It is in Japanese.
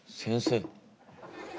先生。